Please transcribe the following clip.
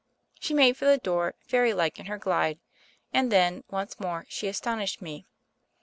She made for the door — fairy like in her glide — and, then, once more she astonished me.